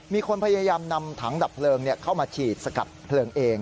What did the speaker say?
มีคนพยายามนำถังดับเพลิงเข้ามาฉีดสกัดเพลิงเอง